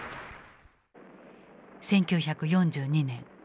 １９４２年